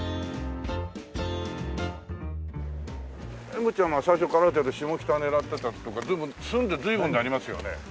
えもっちゃんは最初からある程度下北狙ってたとか住んで随分になりますよね。